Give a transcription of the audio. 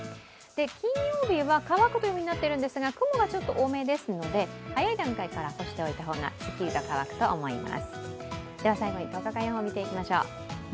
金曜日は乾くとなっているんですが雲がちょっと多めですので早い段階から干しておいた方がすっきりと乾くと思います。